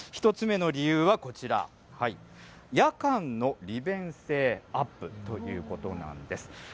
１つ目の理由はこちら、夜間の利便性アップということなんです。